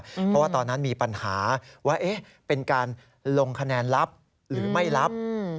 เพราะว่าตอนนั้นมีปัญหาว่าเป็นการลงคะแนนลับหรือไม่รับ